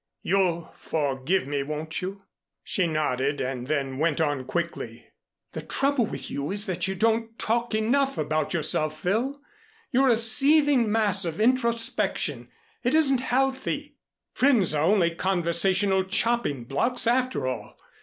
You'll forgive me, won't you?" She nodded and then went on quickly. "The trouble with you is that you don't talk enough about yourself, Phil. You're a seething mass of introspection. It isn't healthy. Friends are only conversational chopping blocks after all.